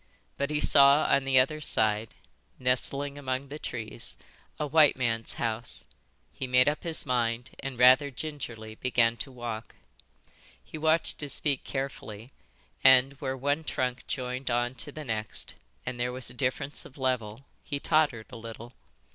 But he saw on the other side, nestling among the trees, a white man's house; he made up his mind and, rather gingerly, began to walk. He watched his feet carefully, and where one trunk joined on to the next and there was a difference of level, he tottered a little.